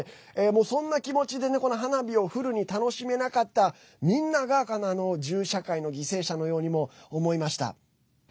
もう、そんな気持ちでこの花火をフルに楽しめなかったみんなが銃社会の犠牲者のようにも思いました。